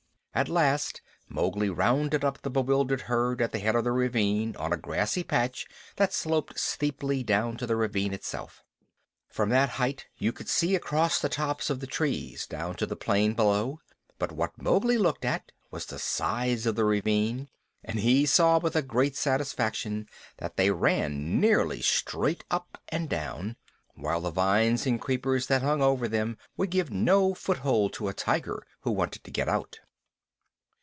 At last Mowgli rounded up the bewildered herd at the head of the ravine on a grassy patch that sloped steeply down to the ravine itself. From that height you could see across the tops of the trees down to the plain below; but what Mowgli looked at was the sides of the ravine, and he saw with a great deal of satisfaction that they ran nearly straight up and down, while the vines and creepers that hung over them would give no foothold to a tiger who wanted to get out.